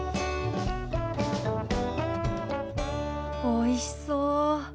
おいしそう。